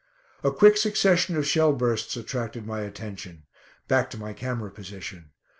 A quick succession of shell bursts attracted my attention. Back to my camera position.